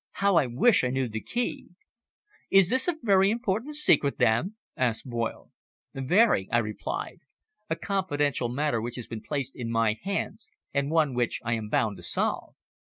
"How I wish I knew the key." "Is this a very important secret, then?" asked Boyle. "Very," I replied. "A confidential matter which has been placed in my hands, and one which I am bound to solve."